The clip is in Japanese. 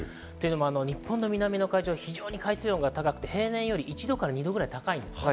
日本の南の海上、非常に海水温が高く、平年より１度から２度高いんです。